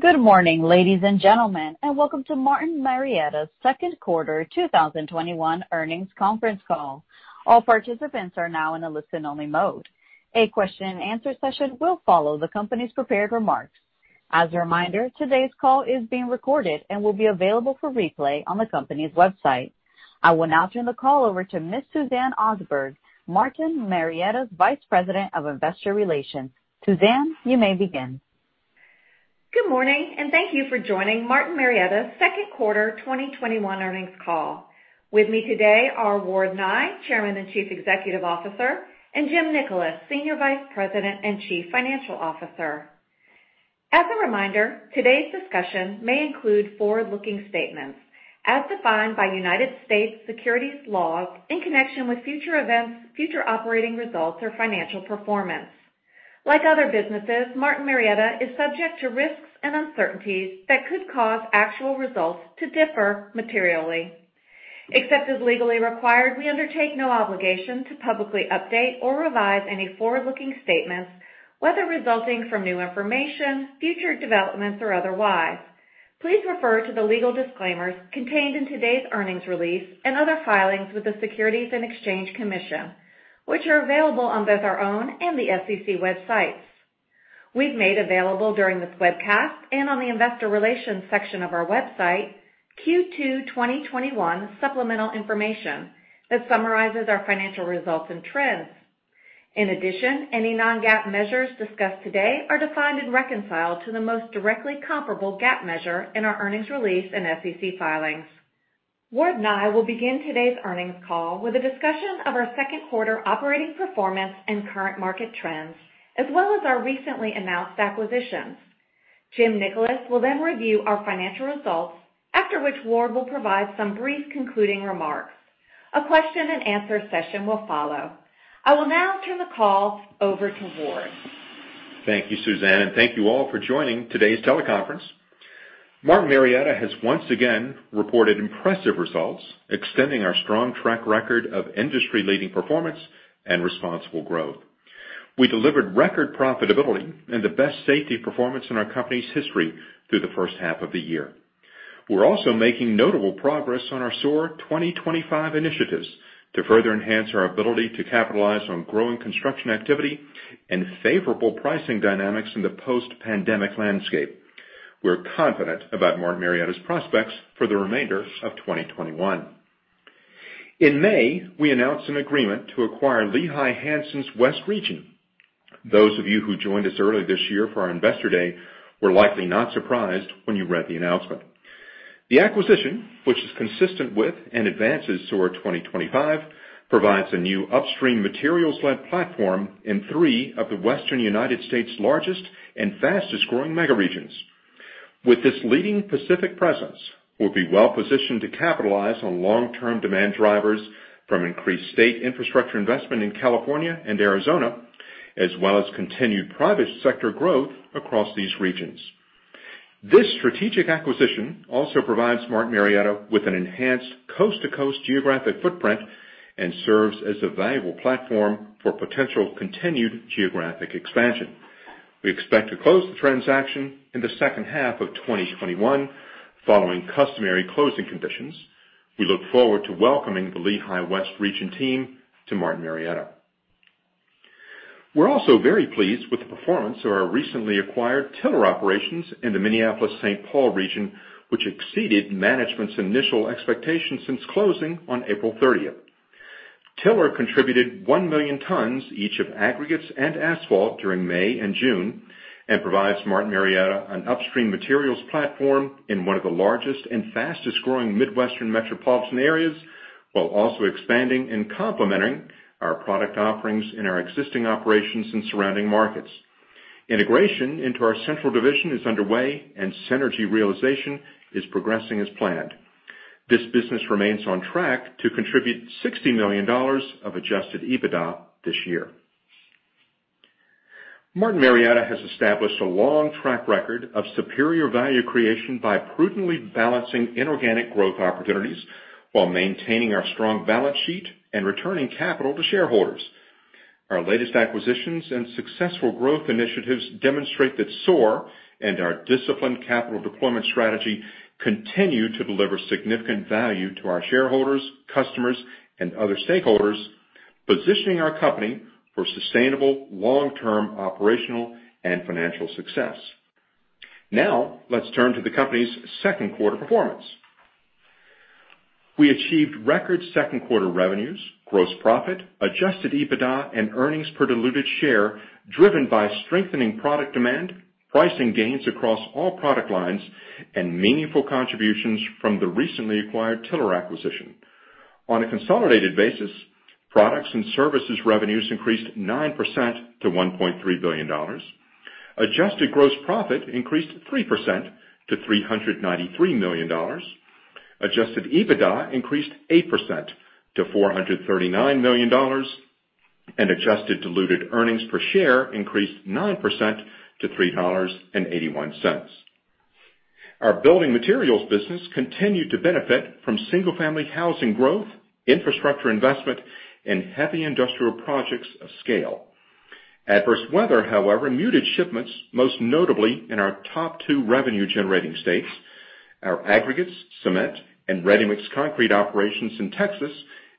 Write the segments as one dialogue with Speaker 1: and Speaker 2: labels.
Speaker 1: Good morning, ladies and gentlemen, welcome to Martin Marietta's second quarter 2021 earnings conference call. As a reminder, today's call is being recorded and will be available for replay on the company's website. I will now turn the call over to Ms. Suzanne Osberg, Martin Marietta's Vice President of Investor Relations. Suzanne, you may begin.
Speaker 2: Good morning, thank you for joining Martin Marietta's second quarter 2021 earnings call. With me today are Ward Nye, Chairman and Chief Executive Officer, and Jim Nickolas, Senior Vice President and Chief Financial Officer. As a reminder, today's discussion may include forward-looking statements as defined by U.S. securities laws in connection with future events, future operating results, or financial performance. Like other businesses, Martin Marietta is subject to risks and uncertainties that could cause actual results to differ materially. Except as legally required, we undertake no obligation to publicly update or revise any forward-looking statements, whether resulting from new information, future developments, or otherwise. Please refer to the legal disclaimers contained in today's earnings release and other filings with the Securities and Exchange Commission, which are available on both our own and the SEC websites. We've made available during this webcast, and on the investor relations section of our website, Q2 2021 supplemental information that summarizes our financial results and trends. In addition, any non-GAAP measures discussed today are defined and reconciled to the most directly comparable GAAP measure in our earnings release and SEC filings. Ward Nye will begin today's earnings call with a discussion of our second quarter operating performance and current market trends, as well as our recently announced acquisitions. Jim Nickolas will then review our financial results, after which Ward Nye will provide some brief concluding remarks. A question and answer session will follow. I will now turn the call over to Ward Nye.
Speaker 3: Thank you, Suzanne, and thank you all for joining today's teleconference. Martin Marietta has once again reported impressive results, extending our strong track record of industry-leading performance and responsible growth. We delivered record profitability and the best safety performance in our company's history through the first half of the year. We're also making notable progress on our SOAR 2025 initiatives to further enhance our ability to capitalize on growing construction activity and favorable pricing dynamics in the post-pandemic landscape. We're confident about Martin Marietta's prospects for the remainder of 2021. In May, we announced an agreement to acquire Lehigh Hanson's West Region. Those of you who joined us early this year for our investor day were likely not surprised when you read the announcement. The acquisition, which is consistent with and advances SOAR 2025, provides a new upstream materials-led platform in three of the Western United States' largest and fastest-growing mega regions. With this leading Pacific Coast presence, we'll be well positioned to capitalize on long-term demand drivers from increased state infrastructure investment in California and Arizona, as well as continued private sector growth across these regions. This strategic acquisition also provides Martin Marietta with an enhanced coast-to-coast geographic footprint and serves as a valuable platform for potential continued geographic expansion. We expect to close the transaction in the second half of 2021 following customary closing conditions. We look forward to welcoming the Lehigh West Region team to Martin Marietta. We're also very pleased with the performance of our recently acquired Tiller operations in the Minneapolis-St. Paul region, which exceeded management's initial expectations since closing on April 30th. Tiller contributed 1 million tons each of aggregates and asphalt during May and June, and provides Martin Marietta an upstream materials platform in one of the largest and fastest-growing Midwestern metropolitan areas, while also expanding and complementing our product offerings in our existing operations and surrounding markets. Integration into our central division is underway, and synergy realization is progressing as planned. This business remains on track to contribute $60 million of adjusted EBITDA this year. Martin Marietta has established a long track record of superior value creation by prudently balancing inorganic growth opportunities while maintaining our strong balance sheet and returning capital to shareholders. Our latest acquisitions and successful growth initiatives demonstrate that SOAR and our disciplined capital deployment strategy continue to deliver significant value to our shareholders, customers, and other stakeholders, positioning our company for sustainable long-term operational and financial success. Now, let's turn to the company's second quarter performance. We achieved record second quarter revenues, gross profit, adjusted EBITDA, and diluted earnings per share driven by strengthening product demand, pricing gains across all product lines, and meaningful contributions from the recently acquired Tiller acquisition. On a consolidated basis, products and services revenues increased 9% to $1.3 billion. Adjusted gross profit increased 3% to $393 million. Adjusted EBITDA increased 8% to $439 million. Adjusted diluted earnings per share increased 9% to $3.81. Our building materials business continued to benefit from single-family housing growth, infrastructure investment and heavy industrial projects of scale. Adverse weather, however, muted shipments, most notably in our top two revenue-generating states. Our aggregates, cement, and ready-mix concrete operations in Texas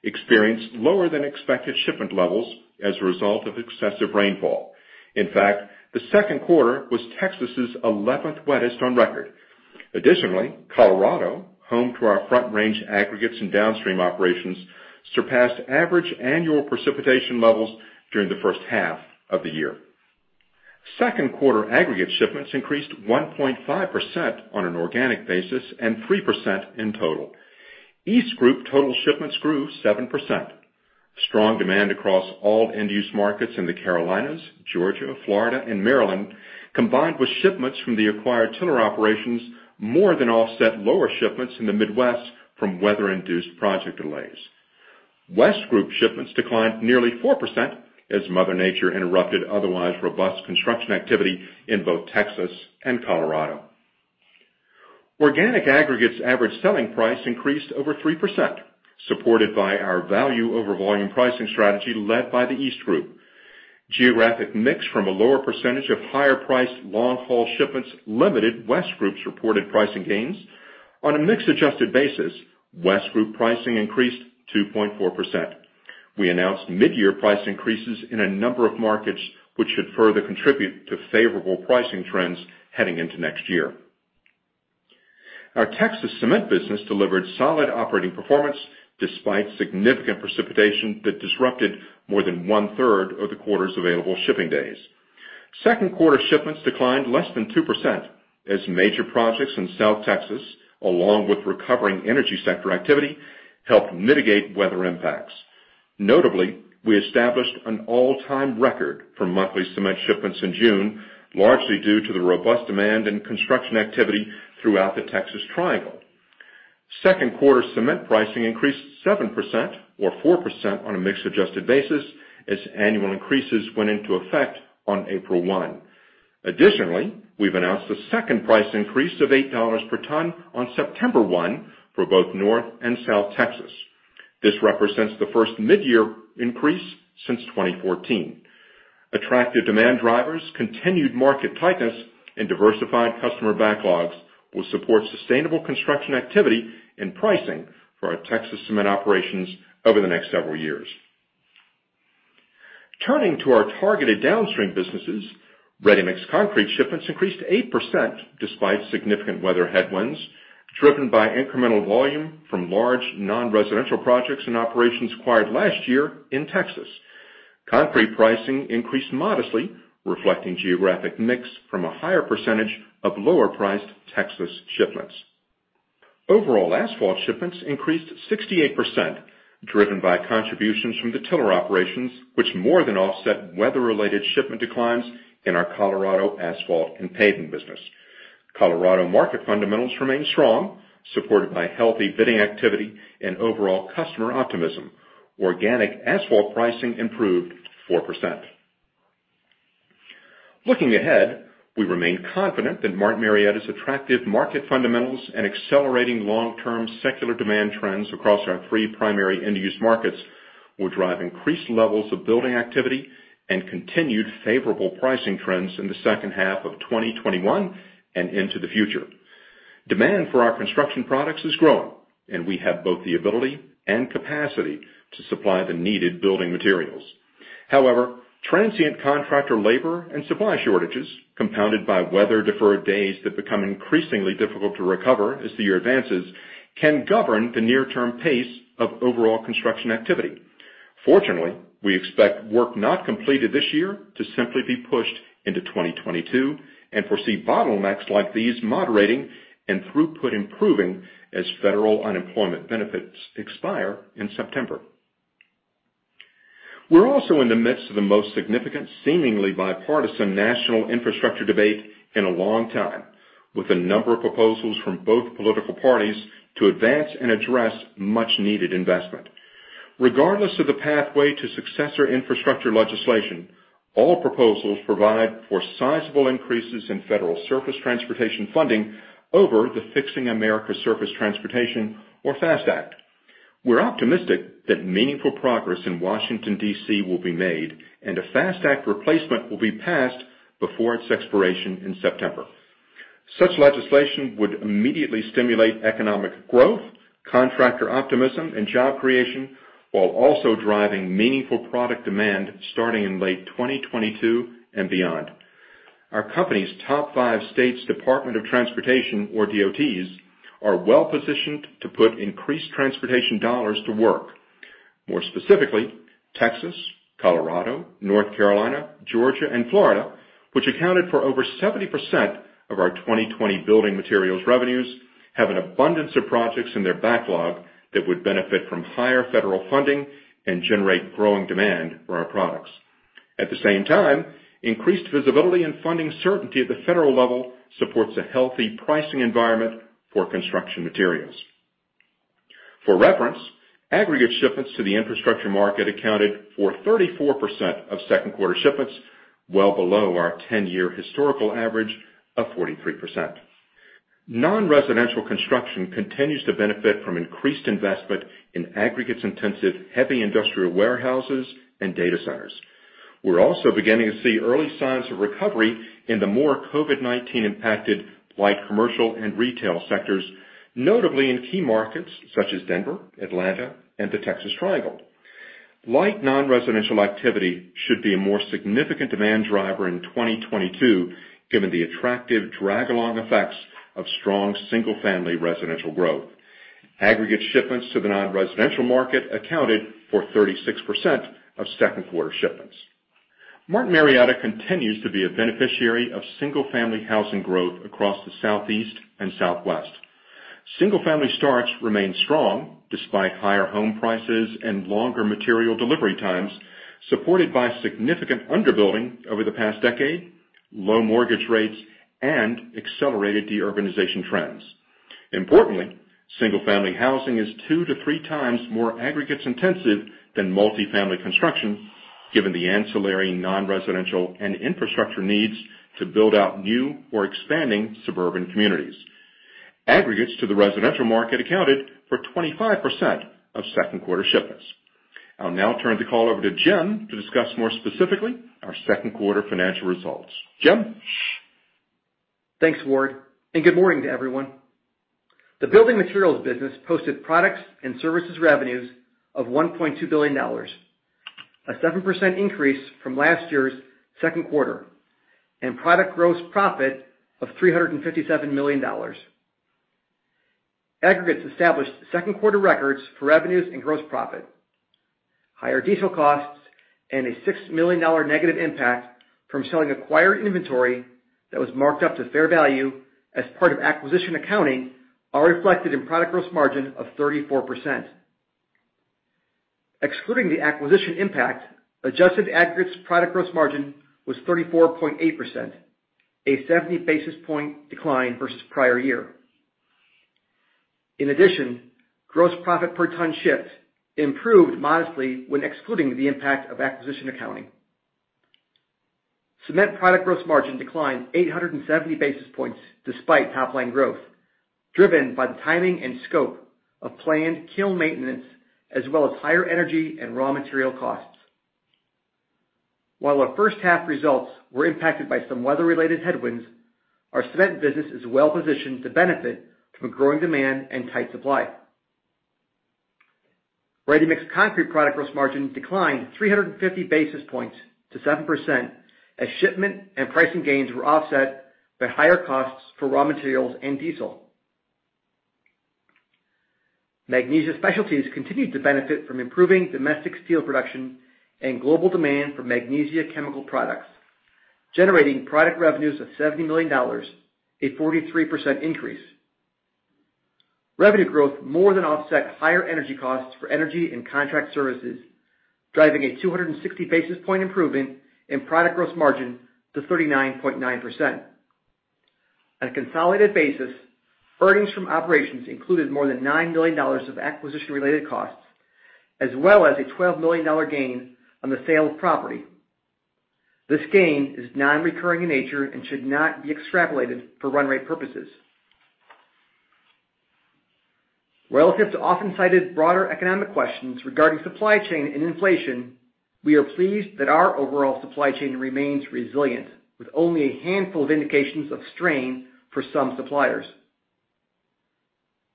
Speaker 3: experienced lower than expected shipment levels as a result of excessive rainfall. In fact, the second quarter was Texas' 11th wettest on record. Additionally, Colorado, home to our Front Range aggregates and downstream operations, surpassed average annual precipitation levels during the first half of the year. Second quarter aggregate shipments increased 1.5% on an organic basis and 3% in total. East Group total shipments grew 7%. Strong demand across all end-use markets in the Carolinas, Georgia, Florida and Maryland, combined with shipments from the acquired Tiller operations, more than offset lower shipments in the Midwest from weather-induced project delays. West Group shipments declined nearly 4% as Mother Nature interrupted otherwise robust construction activity in both Texas and Colorado. Organic aggregates average selling price increased over 3%, supported by our value over volume pricing strategy led by the East Group. Geographic mix from a lower percentage of higher priced long-haul shipments limited West Group's reported pricing gains. On a mix-adjusted basis, West Group pricing increased 2.4%. We announced mid-year price increases in a number of markets, which should further contribute to favorable pricing trends heading into next year. Our Texas cement business delivered solid operating performance despite significant precipitation that disrupted more than one-third of the quarter's available shipping days. Second quarter shipments declined less than 2% as major projects in South Texas, along with recovering energy sector activity, helped mitigate weather impacts. Notably, we established an all-time record for monthly cement shipments in June, largely due to the robust demand and construction activity throughout the Texas Triangle. Second quarter cement pricing increased 7% or 4% on a mix-adjusted basis as annual increases went into effect on April 1. Additionally, we've announced a second price increase of $8 per ton on September 1 for both North and South Texas. This represents the first mid-year increase since 2014. Attractive demand drivers, continued market tightness and diversified customer backlogs will support sustainable construction activity and pricing for our Texas cement operations over the next several years. Turning to our targeted downstream businesses, ready-mix concrete shipments increased 8% despite significant weather headwinds, driven by incremental volume from large non-residential projects and operations acquired last year in Texas. Concrete pricing increased modestly, reflecting geographic mix from a higher percentage of lower priced Texas shipments. Overall asphalt shipments increased 68%, driven by contributions from the Tiller operations, which more than offset weather related shipment declines in our Colorado asphalt and paving business. Colorado market fundamentals remain strong, supported by healthy bidding activity and overall customer optimism. Organic asphalt pricing improved 4%. Looking ahead, we remain confident that Martin Marietta's attractive market fundamentals and accelerating long-term secular demand trends across our 3 primary end-use markets will drive increased levels of building activity and continued favorable pricing trends in the second half of 2021 and into the future. Demand for our construction products is growing, and we have both the ability and capacity to supply the needed building materials. However, transient contractor labor and supply shortages, compounded by weather-deferred days that become increasingly difficult to recover as the year advances, can govern the near term pace of overall construction activity. Fortunately, we expect work not completed this year to simply be pushed into 2022 and foresee bottlenecks like these moderating and throughput improving as federal unemployment benefits expire in September. We're also in the midst of the most significant, seemingly bipartisan national infrastructure debate in a long time, with a number of proposals from both political parties to advance and address much-needed investment. Regardless of the pathway to successor infrastructure legislation, all proposals provide for sizable increases in federal surface transportation funding over the Fixing America's Surface Transportation or FAST Act. We're optimistic that meaningful progress in Washington, D.C. will be made and a FAST Act replacement will be passed before its expiration in September. Such legislation would immediately stimulate economic growth, contractor optimism and job creation, while also driving meaningful product demand starting in late 2022 and beyond. Our company's top five states Department of Transportation or DOTs, are well positioned to put increased transportation dollars to work. More specifically, Texas, Colorado, North Carolina, Georgia and Florida, which accounted for over 70% of our 2020 building materials revenues, have an abundance of projects in their backlog that would benefit from higher federal funding and generate growing demand for our products. At the same time, increased visibility and funding certainty at the federal level supports a healthy pricing environment for construction materials. For reference, aggregate shipments to the infrastructure market accounted for 34% of Q2 shipments, well below our 10-year historical average of 43%. Non-residential construction continues to benefit from increased investment in aggregates-intensive heavy industrial warehouses and data centers. We're also beginning to see early signs of recovery in the more COVID-19 impacted light commercial and retail sectors, notably in key markets such as Denver, Atlanta, and the Texas Triangle. Light non-residential activity should be a more significant demand driver in 2022, given the attractive drag-along effects of strong single-family residential growth. Aggregate shipments to the non-residential market accounted for 36% of Q2 shipments. Martin Marietta continues to be a beneficiary of single-family housing growth across the Southeast and Southwest. Single-family starts remain strong despite higher home prices and longer material delivery times, supported by significant under-building over the past decade, low mortgage rates, and accelerated de-urbanization trends. Importantly, single-family housing is two to three times more aggregates intensive than multi-family construction, given the ancillary non-residential and infrastructure needs to build out new or expanding suburban communities. Aggregates to the residential market accounted for 25% of Q2 shipments. I'll now turn the call over to Jim to discuss more specifically our Q2 financial results. Jim?
Speaker 4: Thanks, Ward Nye, and good morning to everyone. The building materials business posted products and services revenues of $1.2 billion, a 7% increase from last year's Q2, and product gross profit of $357 million. Aggregates established Q2 records for revenues and gross profit. Higher diesel costs and a $6 million negative impact from selling acquired inventory that was marked up to fair value as part of acquisition accounting are reflected in product gross margin of 34%. Excluding the acquisition impact, adjusted Aggregates product gross margin was 34.8%, a 70 basis point decline versus prior year. In addition, gross profit per ton shipped improved modestly when excluding the impact of acquisition accounting. Cement product gross margin declined 870 basis points despite top-line growth, driven by the timing and scope of planned kiln maintenance, as well as higher energy and raw material costs. While our first half results were impacted by some weather-related headwinds, our cement business is well positioned to benefit from a growing demand and tight supply. Ready-mix concrete product gross margin declined 350 basis points to 7%, as shipment and pricing gains were offset by higher costs for raw materials and diesel. Magnesia Specialties continued to benefit from improving domestic steel production and global demand for magnesia chemical products, generating product revenues of $70 million, a 43% increase. Revenue growth more than offset higher energy costs for energy and contract services, driving a 260 basis point improvement in product gross margin to 39.9%. On a consolidated basis, earnings from operations included more than $9 million of acquisition-related costs, as well as a $12 million gain on the sale of property. This gain is non-recurring in nature and should not be extrapolated for run rate purposes. Relative to often cited broader economic questions regarding supply chain and inflation, we are pleased that our overall supply chain remains resilient, with only a handful of indications of strain for some suppliers.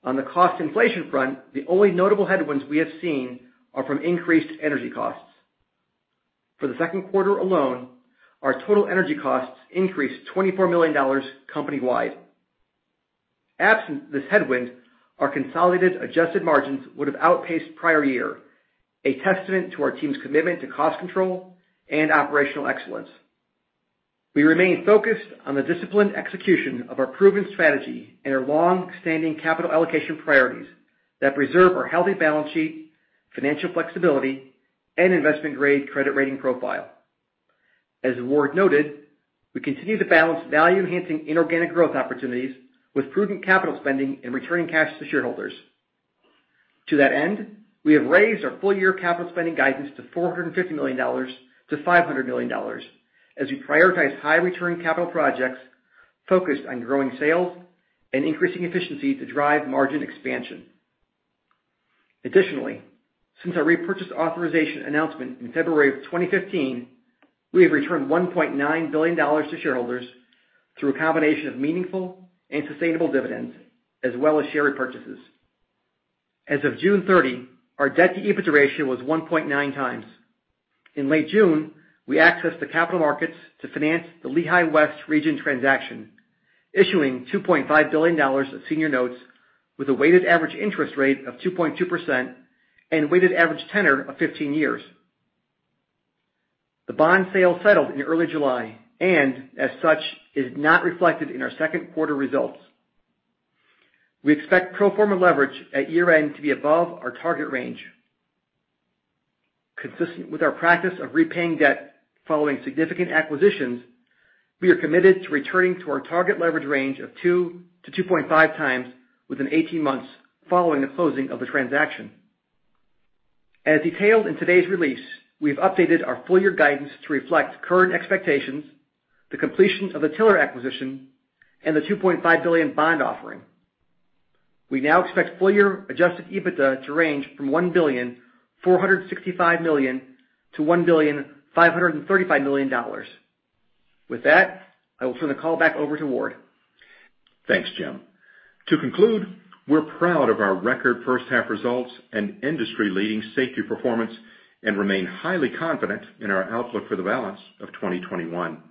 Speaker 4: On the cost inflation front, the only notable headwinds we have seen are from increased energy costs. For the Q2 alone, our total energy costs increased $24 million company-wide. Absent this headwind, our consolidated adjusted margins would have outpaced prior year, a testament to our team's commitment to cost control and operational excellence. We remain focused on the disciplined execution of our proven strategy and our long-standing capital allocation priorities that preserve our healthy balance sheet, financial flexibility, and investment-grade credit rating profile. As Ward Nye noted, we continue to balance value-enhancing inorganic growth opportunities with prudent capital spending and returning cash to shareholders. To that end, we have raised our full-year capital spending guidance to $450 million to $500 million, as we prioritize high-return capital projects focused on growing sales and increasing efficiency to drive margin expansion. Additionally, since our repurchase authorization announcement in February of 2015, we have returned $1.9 billion to shareholders through a combination of meaningful and sustainable dividends as well as share repurchases. As of June 30, our debt-to-EBITDA ratio was 1.9 times. In late June, we accessed the capital markets to finance the Lehigh West Region transaction, issuing $2.5 billion of senior notes with a weighted average interest rate of 2.2% and weighted average tenor of 15 years. The bond sale settled in early July, and as such, is not reflected in our Q2 results. We expect pro forma leverage at year-end to be above our target range. Consistent with our practice of repaying debt following significant acquisitions, we are committed to returning to our target leverage range of 2 to 2.5 times within 18 months following the closing of the transaction. As detailed in today's release, we've updated our full year guidance to reflect current expectations, the completion of the Tiller acquisition, and the $2.5 billion bond offering. We now expect full year adjusted EBITDA to range from $1.465 billion-$1.535 billion. With that, I will turn the call back over to Ward.
Speaker 3: Thanks, Jim. To conclude, we're proud of our record first half results and industry-leading safety performance and remain highly confident in our outlook for the balance of 2021.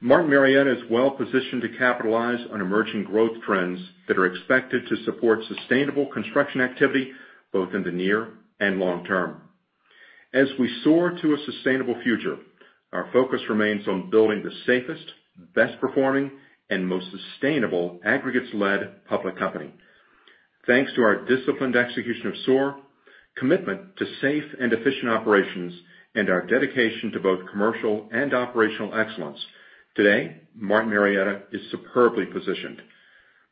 Speaker 3: Martin Marietta is well positioned to capitalize on emerging growth trends that are expected to support sustainable construction activity, both in the near and long term. As we soar to a sustainable future, our focus remains on building the safest, best performing, and most sustainable aggregates-led public company. Thanks to our disciplined execution of SOAR, commitment to safe and efficient operations, and our dedication to both commercial and operational excellence, today, Martin Marietta is superbly positioned.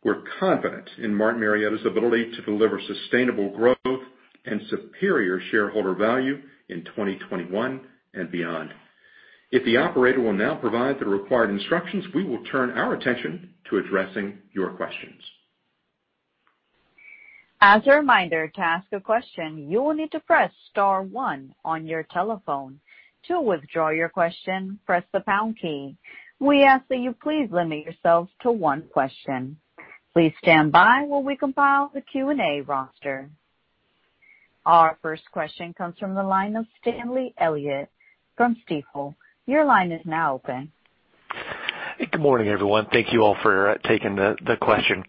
Speaker 3: We're confident in Martin Marietta's ability to deliver sustainable growth and superior shareholder value in 2021 and beyond. If the operator will now provide the required instructions, we will turn our attention to addressing your questions.
Speaker 1: As a reminder, to ask a question, you will need to press star one on your telephone. To withdraw your question, press the pound key. We ask that you please limit yourselves to one question. Please stand by while we compile the Q&A roster. Our first question comes from the line of Stanley Elliott from Stifel. Your line is now open.
Speaker 5: Good morning, everyone. Thank you all for taking the question.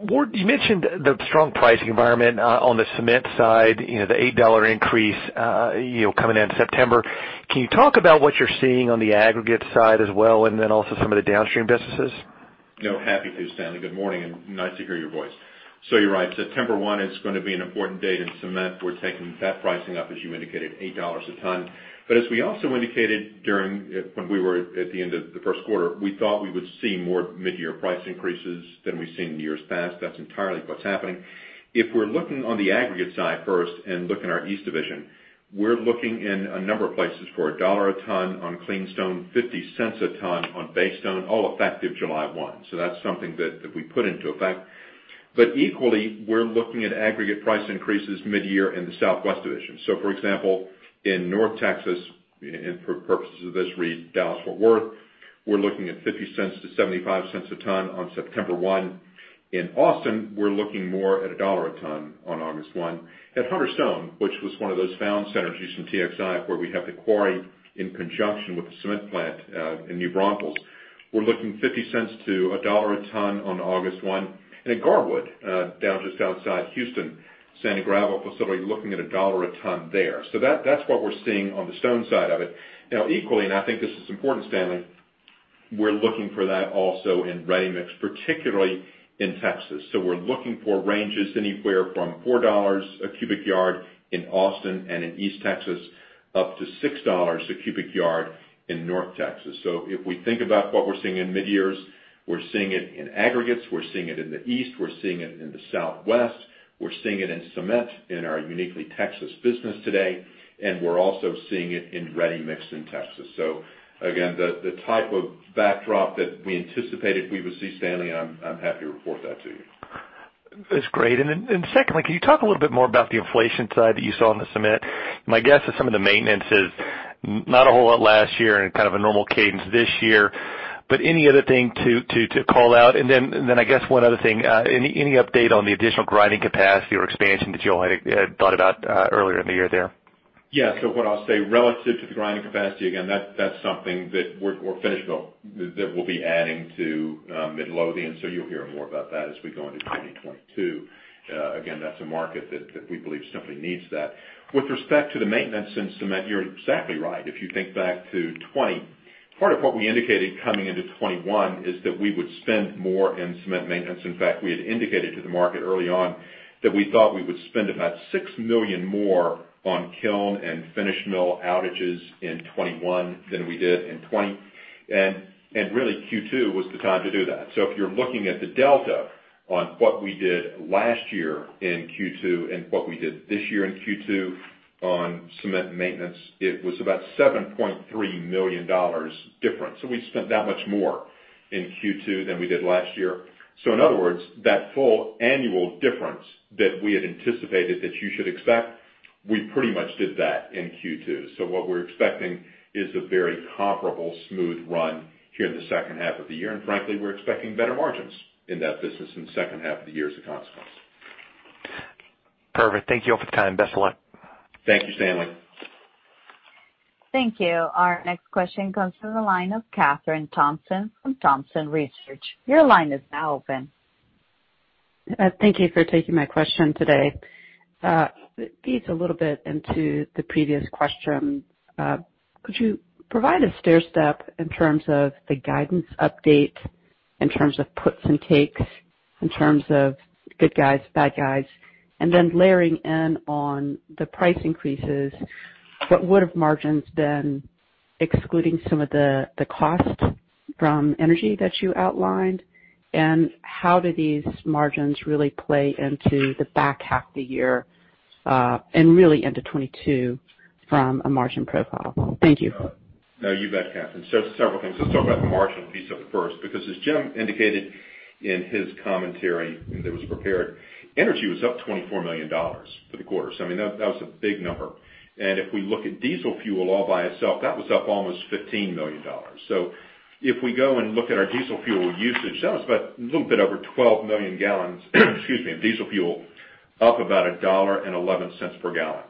Speaker 5: Ward, you mentioned the strong pricing environment on the cement side, the $8 increase coming into September. Can you talk about what you're seeing on the aggregate side as well, and then also some of the downstream businesses?
Speaker 3: Happy to, Stanley. Good morning, and nice to hear your voice. You're right, September 1 is going to be an important date in cement. We're taking that pricing up, as you indicated, $8 a ton. As we also indicated when we were at the end of the first quarter, we thought we would see more mid-year price increases than we've seen in years past. That's entirely what's happening. If we're looking on the aggregate side first and looking our East Division, we're looking in a number of places for $1 a ton on clean stone, $0.50 a ton on base ton, all effective July 1. That's something that we put into effect. Equally, we're looking at aggregate price increases mid-year in the Southwest Division. For example, in North Texas, and for purposes of this, read Dallas-Fort Worth, we're looking at $0.50-$0.75 a ton on September 1. In Austin, we're looking more at $1 a ton on August 1. At Hunter Stone, which was one of those found synergies from TXI, where we have the quarry in conjunction with the cement plant in New Braunfels, we're looking at $0.50-$1 per ton on August 1. At Garwood, down just outside Houston, Sand & Gravel Facility, looking at $1 a ton there. That's what we're seeing on the stone side of it. Equally, and I think this is important, Stanley, we're looking for that also in ready-mix, particularly in Texas. We're looking for ranges anywhere from $4 a cubic yard in Austin and in East Texas, up to $6 a cubic yard in North Texas. If we think about what we're seeing in mid-years, we're seeing it in aggregates, we're seeing it in the East, we're seeing it in the Southwest, we're seeing it in cement in our uniquely Texas business today, and we're also seeing it in ready-mix in Texas. Again, the type of backdrop that we anticipated we would see, Stanley, I'm happy to report that to you.
Speaker 5: That's great. Secondly, can you talk a little bit more about the inflation side that you saw on the cement? My guess is some of the maintenance is not a whole lot last year and kind of a normal cadence this year, but any other thing to call out? I guess one other thing, any update on the additional grinding capacity or expansion that Joel had thought about earlier in the year there?
Speaker 3: What I'll say, relative to the grinding capacity, again, that's something that we'll be adding to Midlothian. You'll hear more about that as we go into 2022. Again, that's a market that we believe simply needs that. With respect to the maintenance in cement, you're exactly right. If you think back to 2020, part of what we indicated coming into 2021 is that we would spend more in cement maintenance. In fact, we had indicated to the market early on that we thought we would spend about $6 million more on kiln and finish mill outages in 2021 than we did in 2020. Really Q2 was the time to do that. If you're looking at the delta on what we did last year in Q2 and what we did this year in Q2 on cement maintenance, it was about $7.3 million difference. We spent that much more in Q2 than we did last year. In other words, that full annual difference that we had anticipated that you should expect, we pretty much did that in Q2. What we're expecting is a very comparable smooth run here in the second half of the year. Frankly, we're expecting better margins in that business in the second half of the year as a consequence.
Speaker 5: Perfect. Thank you all for the time. Best of luck.
Speaker 3: Thank you, Stanley.
Speaker 1: Thank you. Our next question comes from the line of Kathryn Thompson from Thompson Research. Your line is now open.
Speaker 6: Thank you for taking my question today. It feeds a little bit into the previous question. Could you provide a stairstep in terms of the guidance update. In terms of puts and takes, in terms of good guys, bad guys, and then layering in on the price increases, what would have margins been excluding some of the cost from energy that you outlined? How do these margins really play into the back half of the year, and really into 2022 from a margin profile? Thank you.
Speaker 3: No, you bet, Kathryn Thompson. Several things. Let's talk about the margin piece of it first, because as Jim Nickolas indicated in his commentary that was prepared, energy was up $24 million for the quarter. I mean, that was a big number. If we look at diesel fuel all by itself, that was up almost $15 million. If we go and look at our diesel fuel usage, that was about a little bit over 12 million gallons, excuse me, of diesel fuel up about $1.11 per gallon.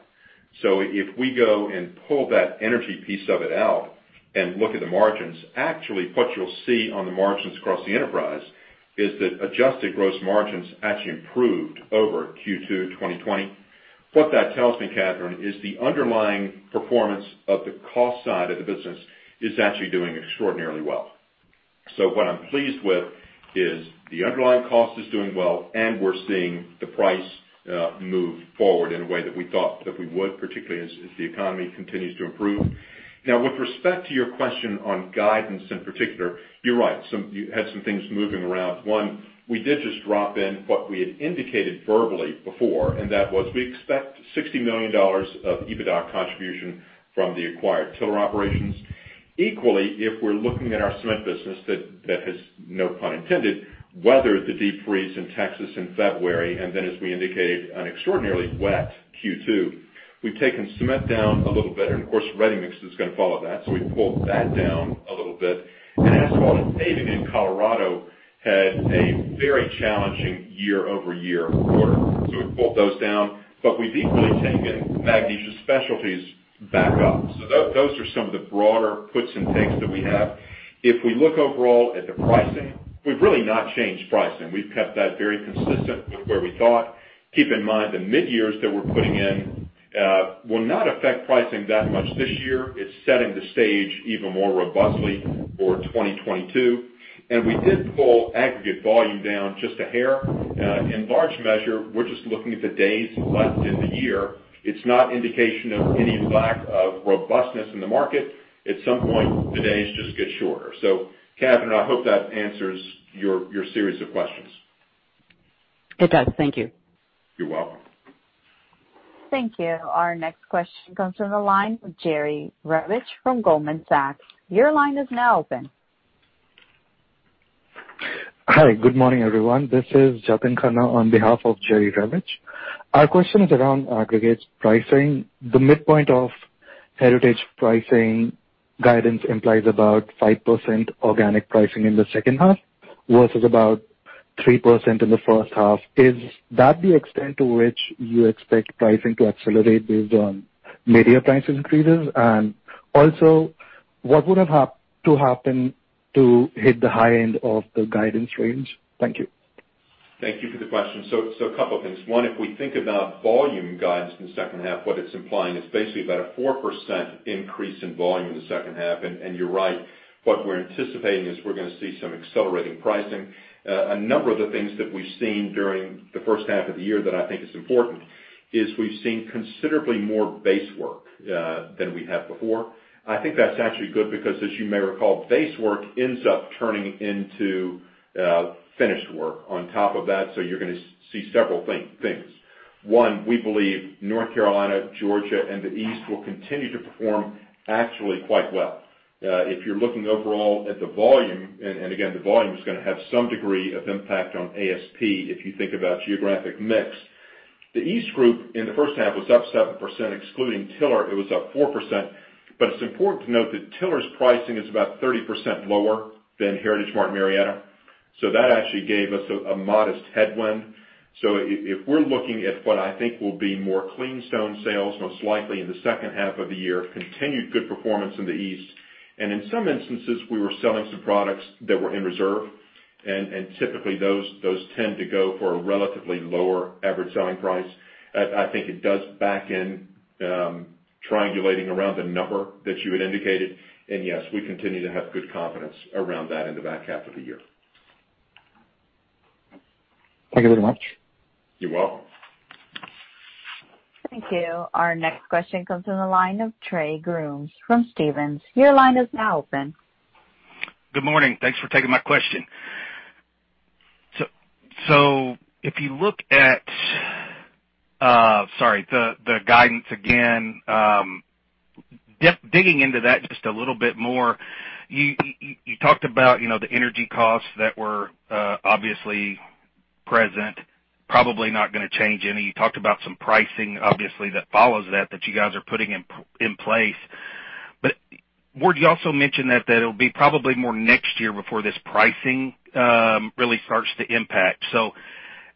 Speaker 3: If we go and pull that energy piece of it out and look at the margins, actually, what you'll see on the margins across the enterprise is that adjusted gross margins actually improved over Q2 2020. What that tells me, Kathryn Thompson, is the underlying performance of the cost side of the business is actually doing extraordinarily well. What I'm pleased with is the underlying cost is doing well, and we're seeing the price move forward in a way that we thought that we would, particularly as the economy continues to improve. With respect to your question on guidance in particular, you're right. You had some things moving around. One, we did just drop in what we had indicated verbally before, and that was we expect $60 million of EBITDA contribution from the acquired Tiller operations. Equally, if we're looking at our cement business, that has, no pun intended, weathered the deep freeze in Texas in February, and then, as we indicated, an extraordinarily wet Q2. We've taken cement down a little bit, and of course, ready-mix is going to follow that. We pulled that down a little bit. Asphalt and paving in Colorado had a very challenging year-over-year quarter, we pulled those down, but we've equally taken Magnesia Specialties back up. Those are some of the broader puts and takes that we have. If we look overall at the pricing, we've really not changed pricing. We've kept that very consistent with where we thought. Keep in mind, the mid-years that we're putting in will not affect pricing that much this year. It's setting the stage even more robustly for 2022. We did pull aggregate volume down just a hair. In large measure, we're just looking at the days left in the year. It's not indication of any lack of robustness in the market. At some point, the days just get shorter. Kathryn, I hope that answers your series of questions.
Speaker 6: It does. Thank you.
Speaker 3: You're welcome.
Speaker 1: Thank you. Our next question comes from the line with Jerry Revich from Goldman Sachs.
Speaker 7: Hi. Good morning, everyone. This is Jatin Khanna on behalf of Jerry Revich. Our question is around aggregates pricing. The midpoint of Heritage pricing guidance implies about 5% organic pricing in the second half versus about 3% in the first half. Is that the extent to which you expect pricing to accelerate based on mid-year price increases? What would have to happen to hit the high end of the guidance range? Thank you.
Speaker 3: Thank you for the question. A couple of things. One, if we think about volume guidance in the second half, what it's implying is basically about a 4% increase in volume in the second half. You're right, what we're anticipating is we're going to see some accelerating pricing. A number of the things that we've seen during the first half of the year that I think is important is we've seen considerably more base work than we have before. I think that's actually good because as you may recall, base work ends up turning into finished work on top of that, so you're going to see several things. One, we believe North Carolina, Georgia, and the East will continue to perform actually quite well. If you're looking overall at the volume, again, the volume is going to have some degree of impact on ASP if you think about geographic mix. The East group in the first half was up 7%, excluding Tiller, it was up 4%. It's important to note that Tiller's pricing is about 30% lower than Heritage Martin Marietta. That actually gave us a modest headwind. If we're looking at what I think will be more clean stone sales, most likely in the second half of the year, continued good performance in the East. In some instances, we were selling some products that were in reserve, and typically those tend to go for a relatively lower average selling price. I think it does back in triangulating around the number that you had indicated. Yes, we continue to have good confidence around that in the back half of the year.
Speaker 7: Thank you very much.
Speaker 3: You're welcome.
Speaker 1: Thank you. Our next question comes from the line of Trey Grooms from Stephens. Your line is now open.
Speaker 8: Good morning. Thanks for taking my question. If you look at the guidance again, digging into that just a little bit more, you talked about the energy costs that were obviously present, probably not going to change any. You talked about some pricing, obviously, that follows that you guys are putting in place. Ward, you also mentioned that it'll be probably more next year before this pricing really starts to impact.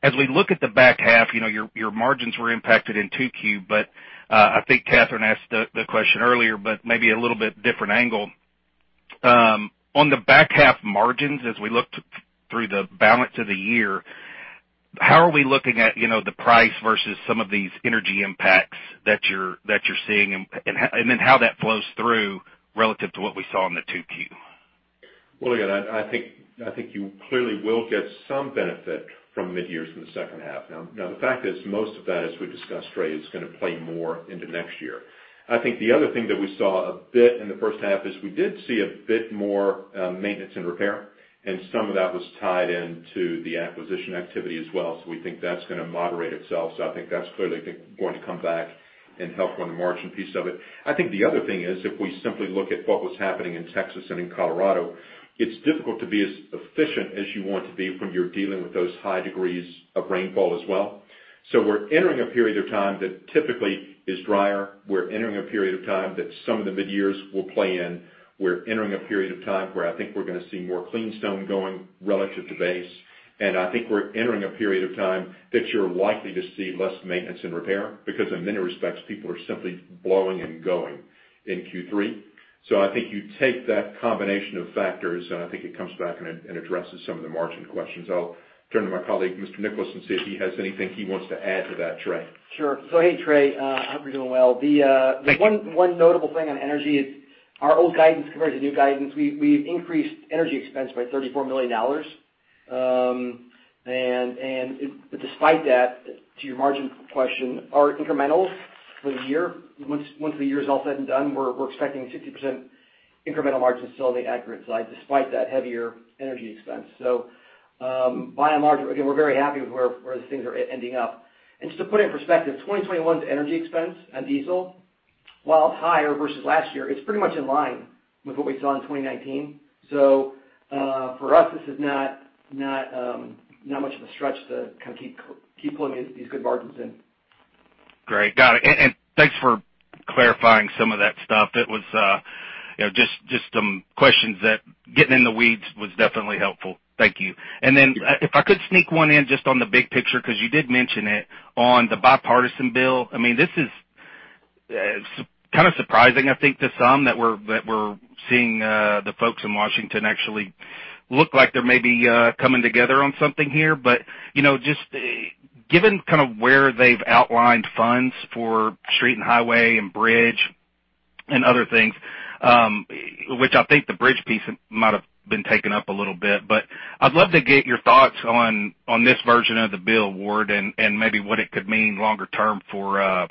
Speaker 8: As we look at the back half, your margins were impacted in 2Q, but I think Kathryn Thompson asked the question earlier, but maybe a little bit different angle. On the back half margins, as we look through the balance of the year. How are we looking at the price versus some of these energy impacts that you're seeing, and then how that flows through relative to what we saw in the 2Q?
Speaker 3: Again, I think you clearly will get some benefit from mid-years in the second half. The fact is, most of that, as we discussed, Trey, is going to play more into next year. I think the other thing that we saw a bit in the first half is we did see a bit more maintenance and repair, and some of that was tied into the acquisition activity as well. We think that's going to moderate itself. I think that's clearly going to come back and help on the margin piece of it. I think the other thing is, if we simply look at what was happening in Texas and in Colorado, it's difficult to be as efficient as you want to be when you're dealing with those high degrees of rainfall as well. We're entering a period of time that typically is drier. We're entering a period of time that some of the mid-years will play in. We're entering a period of time where I think we're going to see more clean stone going relative to base. I think we're entering a period of time that you're likely to see less maintenance and repair because in many respects, people are simply blowing and going in Q3. I think you take that combination of factors, and I think it comes back and addresses some of the margin questions. I'll turn to my colleague, Mr. Nickolas, and see if he has anything he wants to add to that, Trey.
Speaker 4: Sure. Hey, Trey, hope you're doing well. The one notable thing on energy is our old guidance compared to new guidance. We've increased energy expense by $34 million. Despite that, to your margin question, our incrementals for the year, once the year is all said and done, we're expecting 60% incremental margin still on the aggregate side, despite that heavier energy expense. By and large, again, we're very happy with where things are ending up. Just to put it in perspective, 2021's energy expense on diesel, while higher versus last year, it's pretty much in line with what we saw in 2019. For us, this is not much of a stretch to kind of keep plugging these good margins in.
Speaker 8: Great, got it. Thanks for clarifying some of that stuff. That was just some questions that getting in the weeds was definitely helpful. Thank you. Then if I could sneak one in just on the big picture, because you did mention it on the bipartisan bill. This is kind of surprising, I think, to some that we're seeing the folks in Washington actually look like they're maybe coming together on something here. Just given kind of where they've outlined funds for street and highway and bridge and other things, which I think the bridge piece might have been taken up a little bit. I'd love to get your thoughts on this version of the bill, Ward, and maybe what it could mean longer term for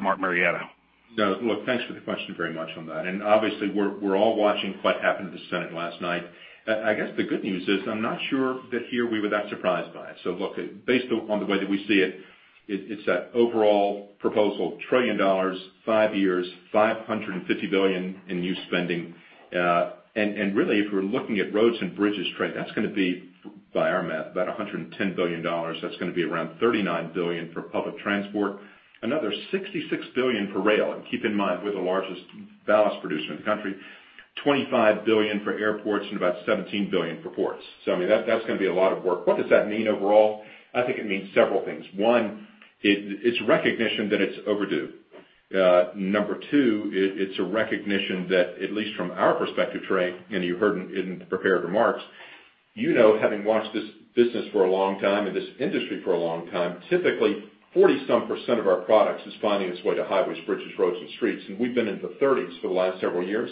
Speaker 8: Martin Marietta.
Speaker 3: Thanks for the question very much on that. Obviously, we're all watching what happened in the Senate last night. I guess the good news is I'm not sure that here we were that surprised by it. Look, based on the way that we see it's that overall proposal, $1 trillion, five years, $550 billion in new spending. Really, if we're looking at roads and bridges, Trey, that's going to be, by our math, about $110 billion. That's going to be around $39 billion for public transport, another $66 billion for rail. Keep in mind, we're the largest ballast producer in the country. $25 billion for airports and about $17 billion for ports. That's going to be a lot of work. What does that mean overall? I think it means several things. One, it's recognition that it's overdue. Number two, it's a recognition that at least from our perspective, Trey Grooms, and you heard it in the prepared remarks, you know having watched this business for a long time and this industry for a long time, typically 40-some% of our products is finding its way to highways, bridges, roads, and streets. We've been in the 30s for the last several years.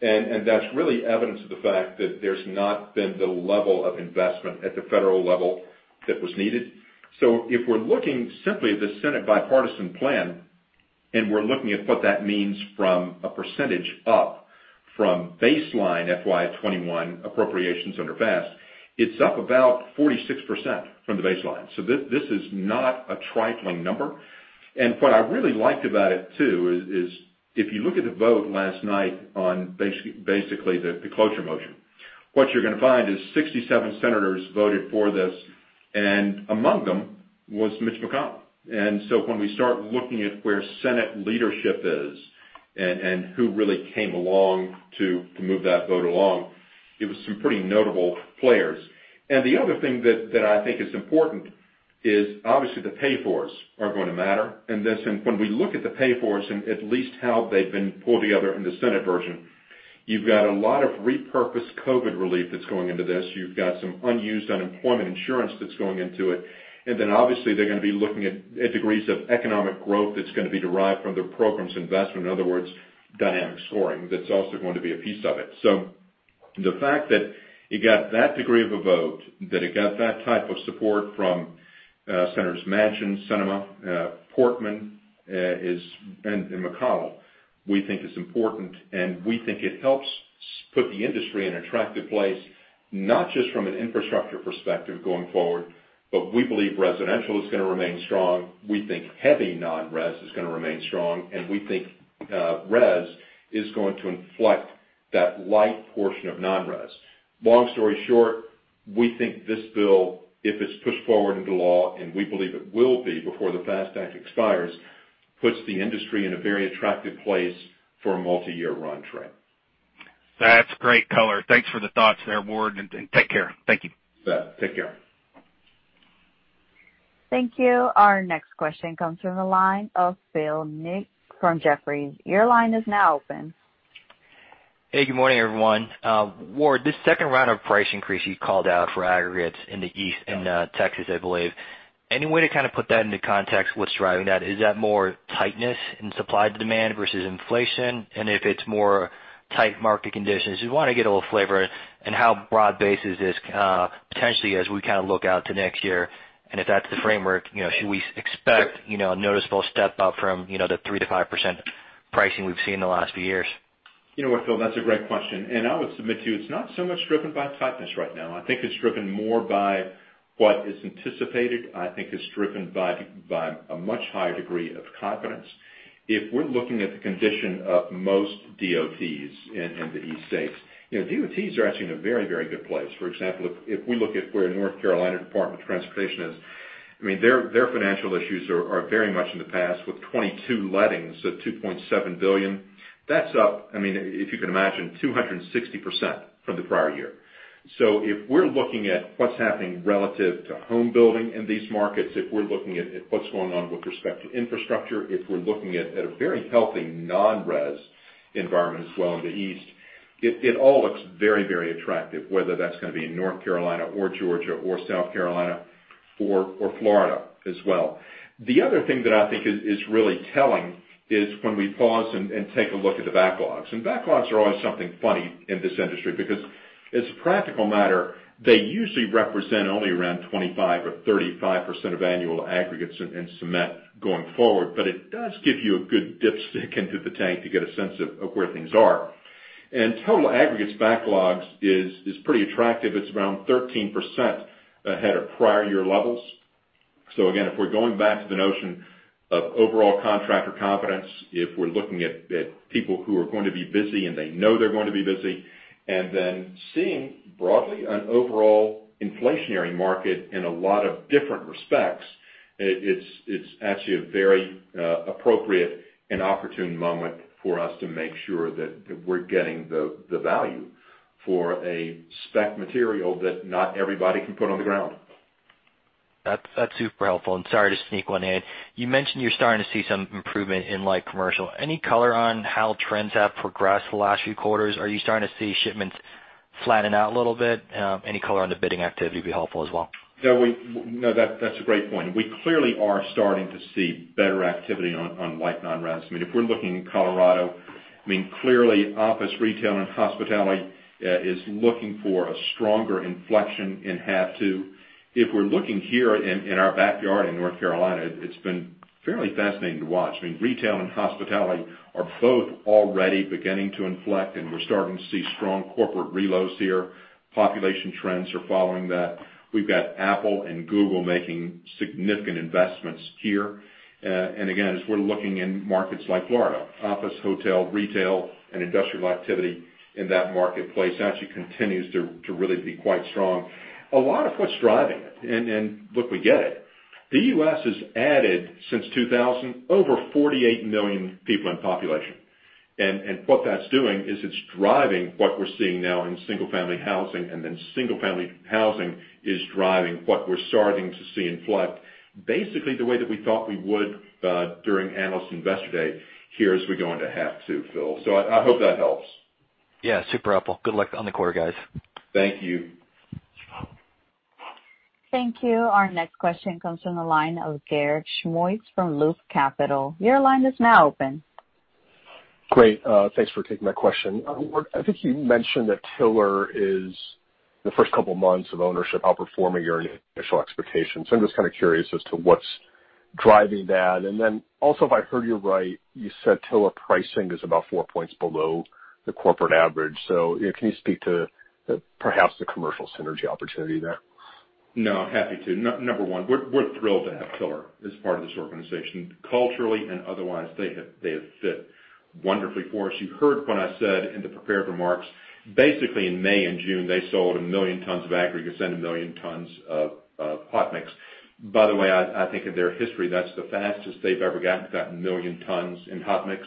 Speaker 3: That's really evidence of the fact that there's not been the level of investment at the federal level that was needed. If we're looking simply at the Senate bipartisan plan, and we're looking at what that means from a percentage up from baseline FY 2021 appropriations under FAST Act, it's up about 46% from the baseline. This is not a trifling number. What I really liked about it, too, is if you look at the vote last night on basically the cloture motion, what you're going to find is 67 senators voted for this, and among them was Mitch McConnell. When we start looking at where Senate leadership is and who really came along to move that vote along, it was some pretty notable players. The other thing that I think is important is obviously the pay-fors are going to matter. When we look at the pay-fors and at least how they've been pulled together in the Senate version, you've got a lot of repurposed COVID relief that's going into this. You've got some unused unemployment insurance that's going into it. Obviously they're going to be looking at degrees of economic growth that's going to be derived from the program's investment. In other words, dynamic scoring, that's also going to be a piece of it. The fact that it got that degree of a vote, that it got that type of support from Senators Manchin, Sinema, Portman, and McConnell, we think is important, and we think it helps put the industry in an attractive place, not just from an infrastructure perspective going forward, but we believe residential is going to remain strong. We think heavy non-res is going to remain strong, and we think res is going to inflect that light portion of non-res. Long story short, we think this bill, if it's pushed forward into law, and we believe it will be before the FAST Act expires, puts the industry in a very attractive place for a multi-year run, Trey.
Speaker 8: That's great color. Thanks for the thoughts there, Ward, and take care. Thank you.
Speaker 3: Yeah. Take care.
Speaker 1: Thank you. Our next question comes from the line of Philip Ng from Jefferies. Your line is now open.
Speaker 9: Hey, good morning, everyone. Ward, this second round of price increase you called out for aggregates in the East, in Texas, I believe. Any way to kind of put that into context, what's driving that? Is that more tightness in supply to demand versus inflation? If it's more tight market conditions, we want to get a little flavor in how broad-based is this, potentially as we kind of look out to next year. If that's the framework, should we expect a noticeable step up from the 3%-5% pricing we've seen in the last few years?
Speaker 3: You know what, Philip? That's a great question. I would submit to you, it's not so much driven by tightness right now. I think it's driven more by what is anticipated. I think it's driven by a much higher degree of confidence. If we're looking at the condition of most DOTs in the East States, DOTs are actually in a very good place. For example, if we look at where North Carolina Department of Transportation is, their financial issues are very much in the past with 22 lettings of $2.7 billion. That's up, if you can imagine, 260% from the prior year. If we're looking at what's happening relative to homebuilding in these markets, if we're looking at what's going on with respect to infrastructure, if we're looking at a very healthy non-res environment as well in the East, it all looks very attractive, whether that's going to be in North Carolina or Georgia or South Carolina or Florida as well. The other thing that I think is really telling is when we pause and take a look at the backlogs. Backlogs are always something funny in this industry because, as a practical matter, they usually represent only around 25% or 35% of annual aggregates and cement going forward. It does give you a good dipstick into the tank to get a sense of where things are. Total aggregates backlogs is pretty attractive. It's around 13% ahead of prior year levels. Again, if we're going back to the notion of overall contractor confidence, if we're looking at people who are going to be busy and they know they're going to be busy, and then seeing broadly an overall inflationary market in a lot of different respects, it's actually a very appropriate and opportune moment for us to make sure that we're getting the value for a spec material that not everybody can put on the ground.
Speaker 9: That's super helpful, and sorry to sneak one in. You mentioned you're starting to see some improvement in light commercial. Any color on how trends have progressed the last few quarters? Are you starting to see shipments flattening out a little bit? Any color on the bidding activity would be helpful as well?
Speaker 3: No, that's a great point. We clearly are starting to see better activity on light non-res. If we're looking in Colorado, clearly office, retail, and hospitality is looking for a stronger inflection in H2. If we're looking here in our backyard in North Carolina, it's been fairly fascinating to watch. Retail and hospitality are both already beginning to inflect, and we're starting to see strong corporate reloads here. Population trends are following that. We've got Apple and Google making significant investments here. Again, as we're looking in markets like Florida, office, hotel, retail, and industrial activity in that marketplace actually continues to really be quite strong. A lot of what's driving it, and look, we get it. The U.S. has added, since 2000, over 48 million people in population. What that's doing is it's driving what we're seeing now in single-family housing, and then single-family housing is driving what we're starting to see inflect, basically the way that we thought we would during Analyst Investor Day here as we go into H2, Phil. I hope that helps.
Speaker 9: Yeah, super helpful. Good luck on the quarter, guys.
Speaker 3: Thank you.
Speaker 1: Thank you. Our next question comes from the line of Garik Shmois from Loop Capital. Your line is now open.
Speaker 10: Great. Thanks for taking my question. Ward, I think you mentioned that Tiller is, the first couple of months of ownership, outperforming your initial expectations. If I heard you right, you said Tiller pricing is about 4 points below the corporate average. Can you speak to perhaps the commercial synergy opportunity there?
Speaker 3: No, I'm happy to. Number one, we're thrilled to have Tiller as part of this organization. Culturally and otherwise, they have fit wonderfully for us. You heard when I said in the prepared remarks, basically in May and June, they sold 1 million tons of aggregates and 1 million tons of hot mix. By the way, I think in their history, that's the fastest they've ever gotten to that 1 million tons in hot mix.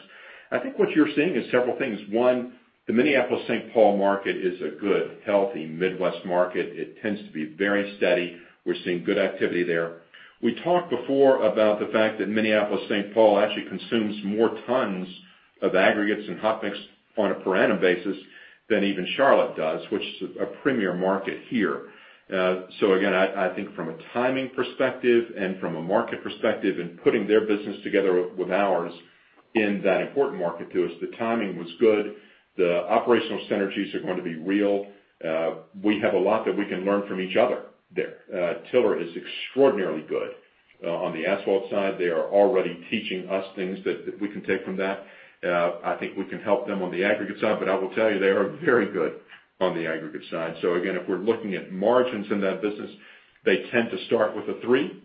Speaker 3: I think what you're seeing is several things. One, the Minneapolis-St. Paul market is a good, healthy Midwest market. It tends to be very steady. We're seeing good activity there. We talked before about the fact that Minneapolis-St. Paul actually consumes more tons of aggregates and hot mix on a per annum basis than even Charlotte does, which is a premier market here. Again, I think from a timing perspective and from a market perspective and putting their business together with ours in that important market to us, the timing was good. The operational synergies are going to be real. We have a lot that we can learn from each other there. Tiller is extraordinarily good on the asphalt side. They are already teaching us things that we can take from that. I think we can help them on the aggregate side, but I will tell you they are very good on the aggregate side. Again, if we're looking at margins in that business, they tend to start with a 3.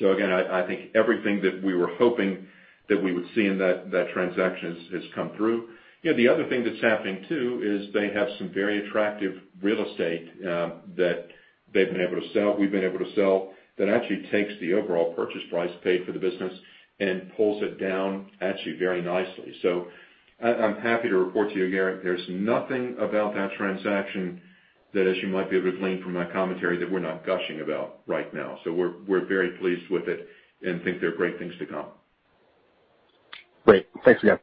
Speaker 3: Again, I think everything that we were hoping that we would see in that transaction has come through. The other thing that's happening, too, is they have some very attractive real estate that we've been able to sell that actually takes the overall purchase price paid for the business and pulls it down actually very nicely. I'm happy to report to you, Garik, there's nothing about that transaction that, as you might be able to glean from my commentary, that we're not gushing about right now. We're very pleased with it and think there are great things to come.
Speaker 10: Great. Thanks again.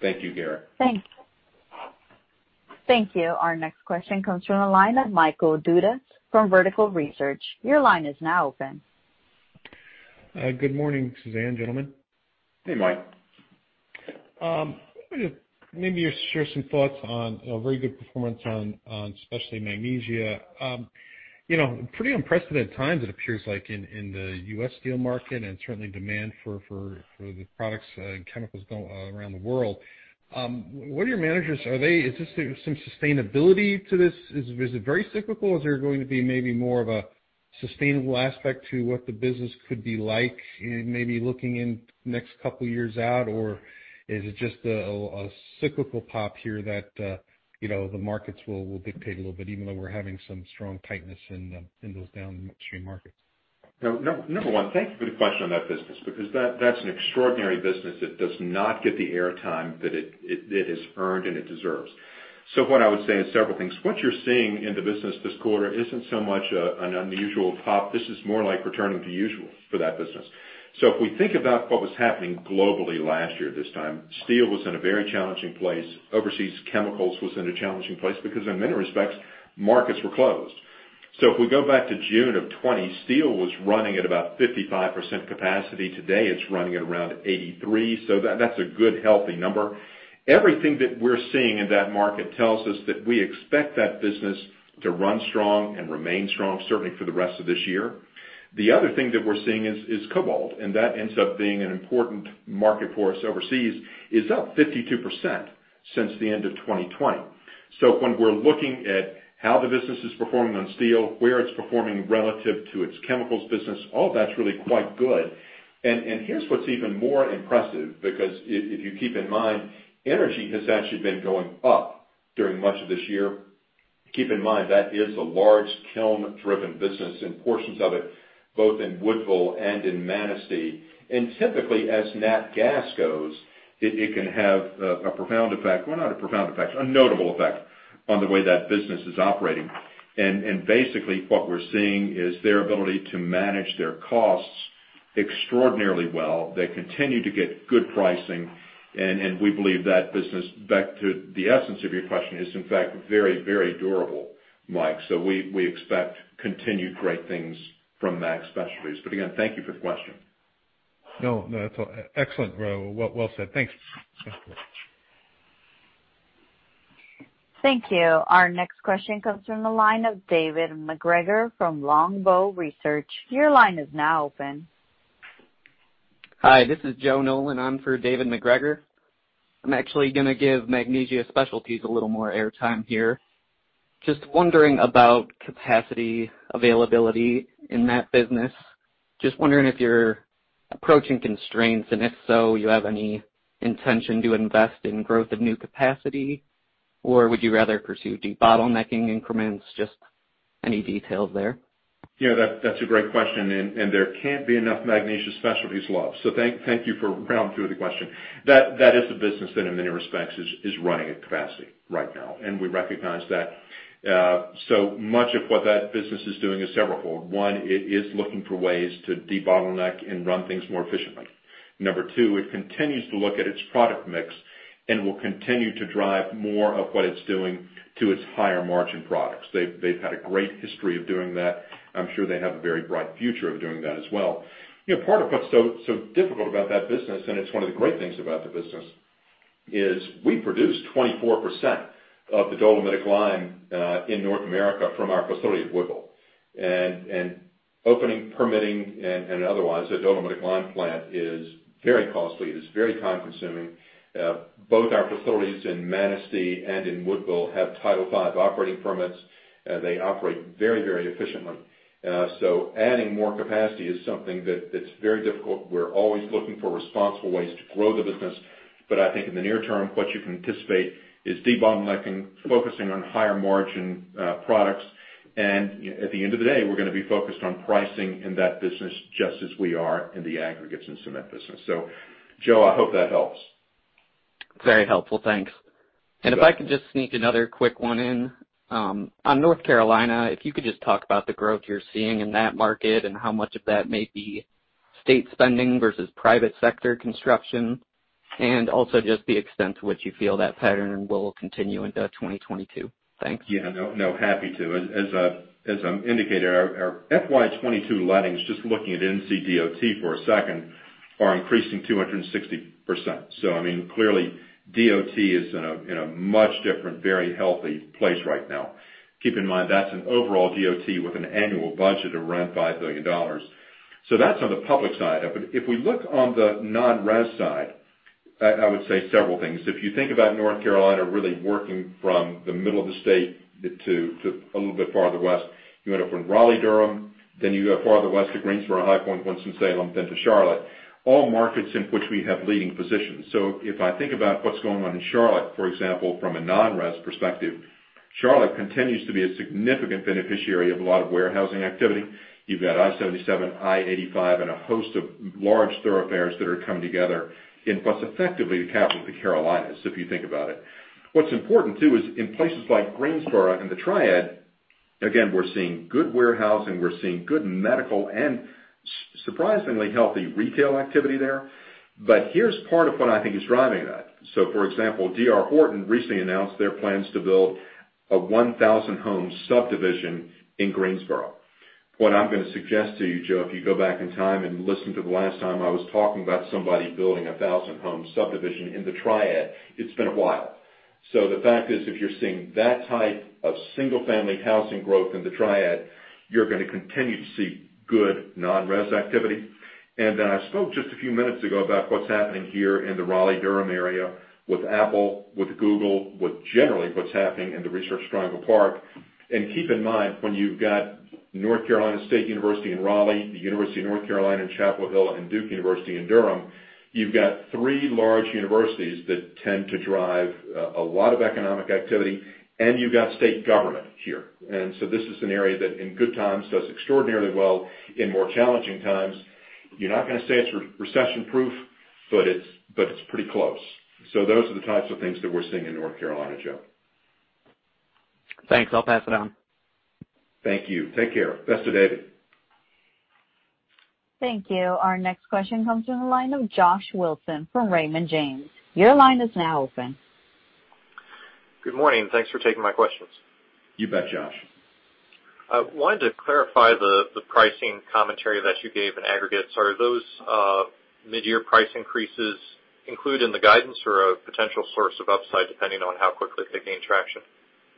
Speaker 3: Thank you, Garik.
Speaker 1: Thank you. Our next question comes from the line of Michael Dudas from Vertical Research. Your line is now open.
Speaker 11: Good morning, Suzanne, gentlemen.
Speaker 3: Hey, Michael.
Speaker 11: Maybe you share some thoughts on very good performance on especially Magnesia. Pretty unprecedented times it appears like in the U.S. steel market and certainly demand for the products and chemicals around the world. Is there some sustainability to this? Is it very cyclical? Is there going to be maybe more of a sustainable aspect to what the business could be like maybe looking in next two years out? Is it just a cyclical pop here that the markets will dictate a little bit even though we're having some strong tightness in those downstream markets?
Speaker 3: Number one, thank you for the question on that business, because that's an extraordinary business that does not get the air time that it has earned and it deserves. What I would say is several things. What you're seeing in the business this quarter isn't so much an unusual pop. This is more like returning to usual for that business. If we think about what was happening globally last year, this time, steel was in a very challenging place. Overseas chemicals was in a challenging place because in many respects, markets were closed. If we go back to June of 2020, steel was running at about 55% capacity. Today, it's running at around 83%. That's a good, healthy number. Everything that we're seeing in that market tells us that we expect that business to run strong and remain strong, certainly for the rest of this year. The other thing that we're seeing is asphalt, and that ends up being an important market for us overseas, is up 52% since the end of 2020. When we're looking at how the business is performing on steel, where it's performing relative to its chemicals business, all that's really quite good. Here's what's even more impressive, because if you keep in mind, energy has actually been going up during much of this year. Keep in mind, that is a large kiln-driven business and portions of it both in Woodville and in Manistee. Typically, as nat gas goes, it can have a profound effect. Well, not a profound effect, a notable effect on the way that business is operating. Basically, what we're seeing is their ability to manage their costs extraordinarily well. They continue to get good pricing, and we believe that business, back to the essence of your question, is in fact very, very durable, Mike. We expect continued great things from Mag Specialties. Again, thank you for the question.
Speaker 11: No, it's excellent. Well said. Thanks.
Speaker 1: Thank you. Our next question comes from the line of David MacGregor from Longbow Research.
Speaker 12: Hi, this is Joe Nolan. I'm in for David MacGregor. I'm actually gonna give Magnesia Specialties a little more air time here. Just wondering about capacity availability in that business. Just wondering if you're approaching constraints, and if so, you have any intention to invest in growth of new capacity, or would you rather pursue debottlenecking increments? Just any details there.
Speaker 3: Yeah, that's a great question, and there can't be enough Magnesia Specialties love. Thank you for rounding through the question. That is a business that in many respects is running at capacity right now, and we recognize that. Much of what that business is doing is several fold. One, it is looking for ways to debottleneck and run things more efficiently. Number two, it continues to look at its product mix and will continue to drive more of what it's doing to its higher margin products. They've had a great history of doing that. I'm sure they have a very bright future of doing that as well. Part of what's so difficult about that business, and it's one of the great things about the business, is we produce 24% of the dolomitic lime in North America from our facility at Woodville. Opening, permitting, and otherwise, a dolomitic lime plant is very costly, it is very time-consuming. Both our facilities in Manistee and in Woodville have Title V operating permits. They operate very efficiently. Adding more capacity is something that's very difficult. We're always looking for responsible ways to grow the business. I think in the near term, what you can anticipate is debottlenecking, focusing on higher margin products. At the end of the day, we're gonna be focused on pricing in that business just as we are in the aggregates and cement business. Joe, I hope that helps.
Speaker 12: Very helpful. Thanks.
Speaker 3: You bet.
Speaker 12: If I can just sneak another quick one in. On North Carolina, if you could just talk about the growth you're seeing in that market and how much of that may be state spending versus private sector construction, and also just the extent to which you feel that pattern will continue into 2022. Thanks.
Speaker 3: Yeah. No, happy to. As I indicated, our FY 2022 lettings, just looking at NCDOT for a second, are increasing 260%. I mean, clearly DOT is in a much different, very healthy place right now. Keep in mind, that's an overall DOT with an annual budget of around $5 billion. That's on the public side of it. If we look on the non-res side, I would say several things. If you think about North Carolina really working from the middle of the state to a little bit farther west, you end up in Raleigh-Durham, then you go farther west to Greensboro, High Point, Winston-Salem, then to Charlotte, all markets in which we have leading positions. If I think about what's going on in Charlotte, for example, from a non-res perspective, Charlotte continues to be a significant beneficiary of a lot of warehousing activity. You've got I-77, I-85, and a host of large thoroughfares that are coming together in what's effectively the capital of the Carolinas, if you think about it. What's important too is in places like Greensboro and the Triad, again, we're seeing good warehousing, we're seeing good medical, and surprisingly healthy retail activity there. Here's part of what I think is driving that. For example, D.R. Horton recently announced their plans to build a 1,000-home subdivision in Greensboro. What I'm going to suggest to you, Joe, if you go back in time and listen to the last time I was talking about somebody building a 1,000-home subdivision in the Triad, it's been a while. The fact is, if you're seeing that type of single-family housing growth in the Triad, you're going to continue to see good non-res activity. Then I spoke just a few minutes ago about what's happening here in the Raleigh-Durham area with Apple, with Google, with generally what's happening in the Research Triangle Park. Keep in mind, when you've got North Carolina State University in Raleigh, the University of North Carolina in Chapel Hill, and Duke University in Durham, you've got three large universities that tend to drive a lot of economic activity, and you've got state government here. This is an area that, in good times, does extraordinarily well. In more challenging times, you're not going to say it's recession-proof, but it's pretty close. Those are the types of things that we're seeing in North Carolina, Joe.
Speaker 12: Thanks. I'll pass it on.
Speaker 3: Thank you. Take care. Best to David.
Speaker 1: Thank you. Our next question comes from the line of Joshua Wilson from Raymond James. Your line is now open.
Speaker 13: Good morning. Thanks for taking my questions.
Speaker 3: You bet, Josh.
Speaker 13: I wanted to clarify the pricing commentary that you gave in aggregates. Are those mid-year price increases included in the guidance for a potential source of upside, depending on how quickly they gain traction?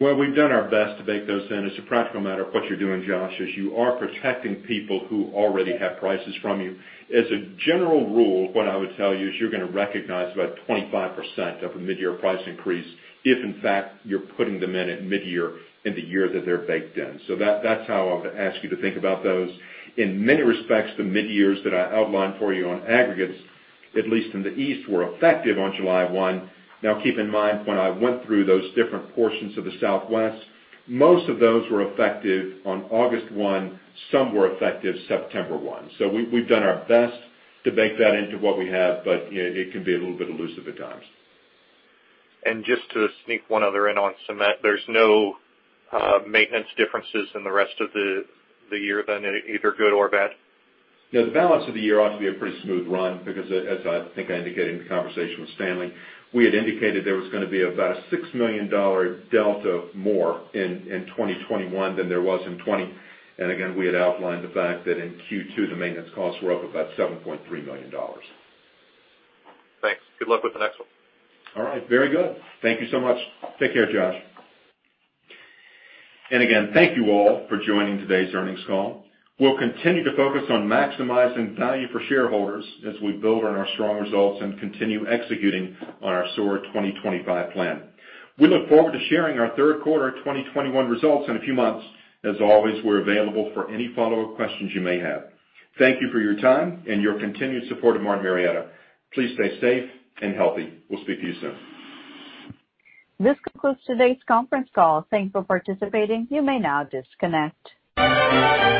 Speaker 3: Well, we've done our best to bake those in. As a practical matter, what you're doing, Josh, is you are protecting people who already have prices from you. As a general rule, what I would tell you is you're going to recognize about 25% of a mid-year price increase if, in fact, you're putting them in at mid-year in the year that they're baked in. That's how I'll ask you to think about those. In many respects, the mid-years that I outlined for you on aggregates, at least in the East, were effective on July 1. Keep in mind, when I went through those different portions of the Southwest, most of those were effective on August 1, some were effective September 1. We've done our best to bake that into what we have, but it can be a little bit elusive at times.
Speaker 13: Just to sneak one other in on cement. There's no maintenance differences in the rest of the year, then, either good or bad?
Speaker 3: The balance of the year ought to be a pretty smooth run because, as I think I indicated in the conversation with Stanley, we had indicated there was going to be about a $6 million delta more in 2021 than there was in 2020. Again, we had outlined the fact that in Q2, the maintenance costs were up about $7.3 million.
Speaker 13: Thanks. Good luck with the next one.
Speaker 3: All right. Very good. Thank you so much. Take care, Joshua Wilson. Again, thank you all for joining today's earnings call. We'll continue to focus on maximizing value for shareholders as we build on our strong results and continue executing on our SOAR 2025 plan. We look forward to sharing our third quarter 2021 results in a few months. As always, we're available for any follow-up questions you may have. Thank you for your time and your continued support of Martin Marietta. Please stay safe and healthy. We'll speak to you soon.
Speaker 1: This concludes today's conference call. Thanks for participating. You may now disconnect.